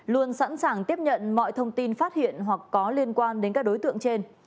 luôn sẵn sàng tiếp nhận mọi thông tin phát hiện hoặc có liên quan đến các đối tượng trên